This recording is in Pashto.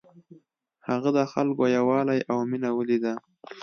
هغه د خلکو یووالی او مینه ولیده.